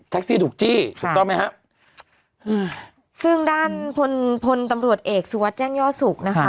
แท็กซี่ถูกจี้ถูกต้องไหมฮะซึ่งด้านผลผลตำรวจเอกสุวัสด์แจ้งย่อสุขนะคะ